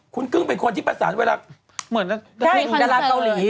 คุณกึ้งเป็นคนที่ประสานเวลาเหมือนได้ดาราเกาหลี